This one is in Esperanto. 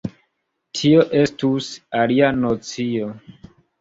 Tio estus alia nocio.